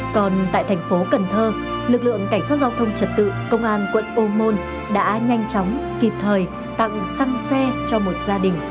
còn tại thành phố cần thơ lực lượng cảnh sát giao thông trật tự công an quận ô môn đã nhanh chóng kịp thời tặng xăng xe cho một gia đình